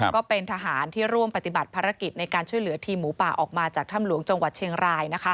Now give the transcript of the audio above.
ก็เป็นทหารที่ร่วมปฏิบัติภารกิจในการช่วยเหลือทีมหมูป่าออกมาจากถ้ำหลวงจังหวัดเชียงราย